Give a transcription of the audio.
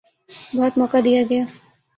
بہت موقع دیا گیا۔